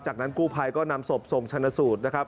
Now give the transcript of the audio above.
จากนั้นกู้ภัยก็นำศพส่งชนะสูตรนะครับ